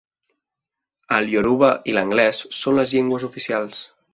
El ioruba i l'anglès són les llengües oficials.